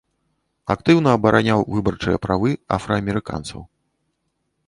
Актыўна абараняў выбарчыя правы афраамерыканцаў.